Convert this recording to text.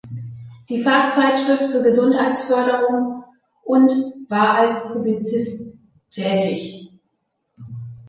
Die Fachzeitschrift für Gesundheitsförderung" und war als Publizist tätig.